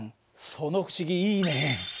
その不思議いいね。